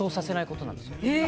え？